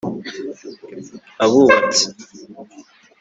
abubatsi